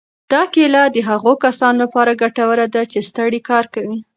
دا کیله د هغو کسانو لپاره ګټوره ده چې ستړی کار کوي.